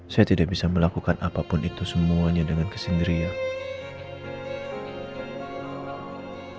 saya tidak bisa melakukan apapun itu semuanya dengan kesendirian